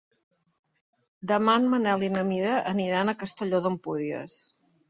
Demà en Manel i na Mira aniran a Castelló d'Empúries.